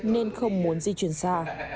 nên không muốn di chuyển xa